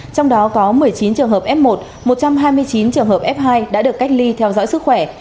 trong đó có một mươi chín trường hợp f một một trăm hai mươi chín trường hợp f hai đã được cách ly theo giai đoạn